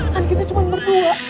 kan kita cuma berdua